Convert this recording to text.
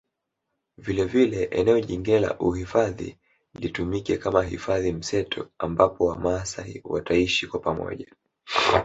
Vilevile eneo jingine la uhifadhi llitumike kama Hifadhi mseto ambapo wamaasai wataishi kwa pamoja